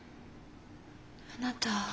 あなた。